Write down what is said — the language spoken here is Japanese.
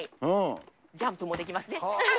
ジャンプもできますね。